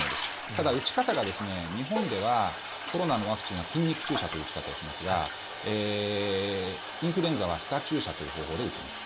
ただ、打ち方が日本ではコロナのワクチンは筋肉注射という打ち方をしますがインフルエンザは皮下注射という方法で打ちます。